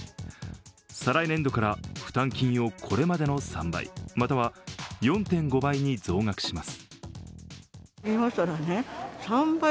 再来年度から負担金をこれまでの３倍または４．５倍に増額します。